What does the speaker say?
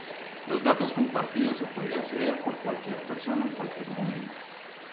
Los datos compartidos se podía acceder por cualquier persona en cualquier momento.